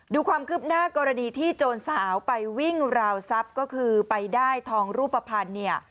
ดูความคืบหน้ากรณีที่โจรสาวไปวิ่งราวทรัพย์ก็คือไปได้ทองรูปภัณฑ์เนี่ย